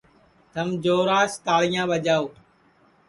تھم جوراس تاݪیاں ٻاجاو